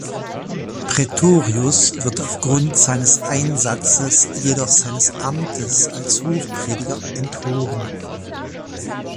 Praetorius wird auf Grund seines Einsatzes jedoch seines Amtes als Hofprediger enthoben.